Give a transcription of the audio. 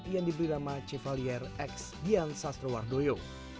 yang diberi nama cefalier x dian sastro wardoyo